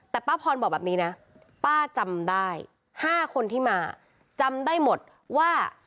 แต่ป้าพรบอกแบบนี้นะป้าจำได้๕คนที่มาจำได้หมดว่า